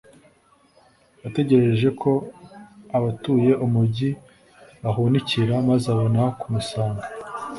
, yategereje ko abatuye umugi bahunikira, maze abona kumusanga.